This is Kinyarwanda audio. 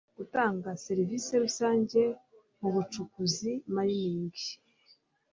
gutanga serivisi rusange mu bucukuzi mining a